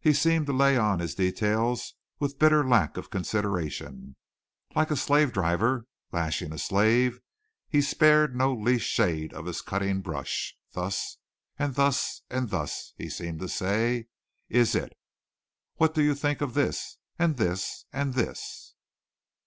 He seemed to lay on his details with bitter lack of consideration. Like a slavedriver lashing a slave he spared no least shade of his cutting brush. "Thus, and thus and thus" (he seemed to say) "is it." "What do you think of this? and this? and this?"